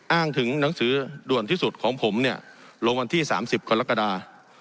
อ้างถึงหนังสือด่วนที่สุดของผมเนี่ยลงวันที่๓๐กรกฎา